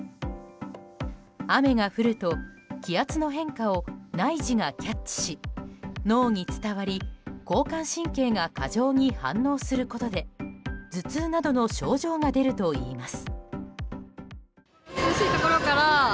雨が降ると気圧の変化を内耳がキャッチし脳に伝わり、交感神経が過剰に反応することで頭痛などの症状が出るといいます。